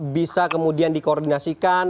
bisa kemudian dikoordinasikan